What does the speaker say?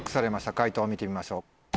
解答を見てみましょう。